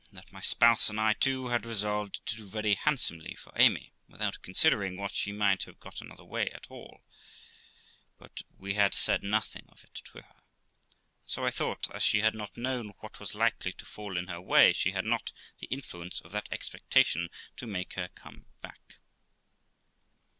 that my spouse, and I too, had resolved to do very handsomely for Amy, without considering what she might have got another way at all; but we had said nothing of it to her, and so I thought, as she had not known what was likely to fall in her way, she had not the influence of that expectation to make her come back.